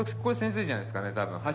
これ先生じゃないですかね多分。